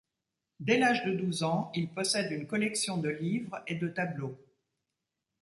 Dès l'âge de douze ans, il possède une collection de livres et de tableaux.